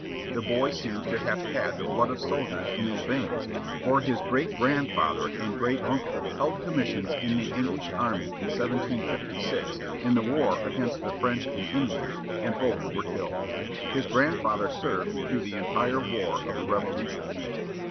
The boy seems to have had the blood of soldiers in his veins, for his great grandfather and great uncle held commissions in the English army in 1756, in the war against the French and Indians, and both were killed. His grandfather served through the entire war of the Revolution.